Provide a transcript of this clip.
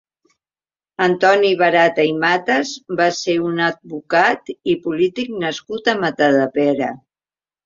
Antoni Barata i Matas va ser un advocat i polític nascut a Matadepera.